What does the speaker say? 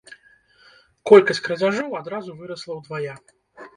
Колькасць крадзяжоў адразу вырасла ўдвая.